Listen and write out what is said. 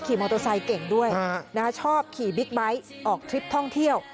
มอเตอร์ไซค์เก่งด้วยชอบขี่บิ๊กไบท์ออกทริปท่องเที่ยว